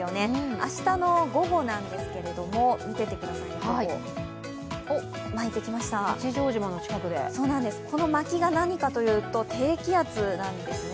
明日の午後なんですけれども見ててください、ここ。巻いてきました、この巻きが何かというと、低気圧なんですね。